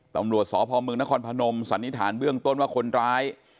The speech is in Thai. ตำรวจสพมนครพนมสันนิษฐานเบื้องต้นว่าคนร้าย